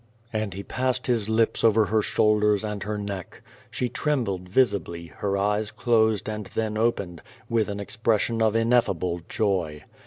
And he passed his lips over her shoulders and her neck. She trembled visibly, her eyes closed and then opened, with an expression of ineffable joy.